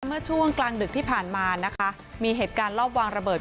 เมื่อช่วงกลางดึกที่ผ่านมานะคะมีเหตุการณ์รอบวางระเบิด